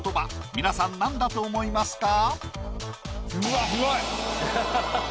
皆さん何だと思いますか？